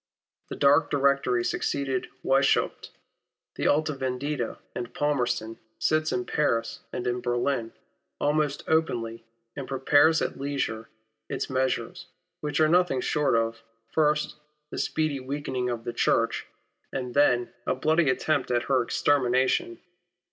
The dark Directory succeeding Wieshaupt, the Alta Veiidita, and Palmerston, sits in Paris and in Berlin almost openly, and prepares at leisure its measures, which are nothing short of, first, the speedy weakening of the Church, and then, I am certain, a bloody attempt at her extermination.